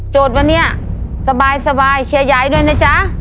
วันนี้สบายเชียร์ยายด้วยนะจ๊ะ